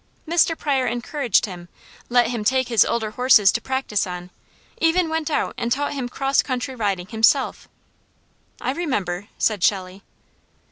Mr. Pryor encouraged him, let him take his older horses to practise on, even went out and taught him cross country riding himself " "I remember!" said Shelley.